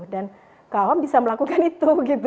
dan kak awam bisa melakukan itu